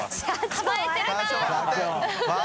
構えてるな。